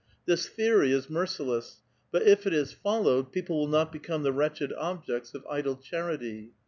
This theory is merciless ; but if it is followed, people will not become the wretched objects of idle charity.